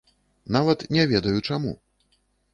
Нават не ведаю, чаму.